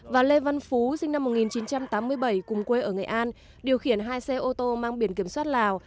và lê văn phú sinh năm một nghìn chín trăm tám mươi bảy cùng quê ở nghệ an điều khiển hai xe ô tô mang biển kiểm soát lào